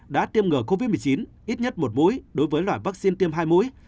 đã tiêm ngừa covid một mươi chín ít nhất một mũi đối với loại vaccine tiêm hai mũi